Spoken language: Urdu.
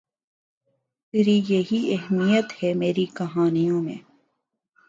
تری یہی اہمیت ہے میری کہانیوں میں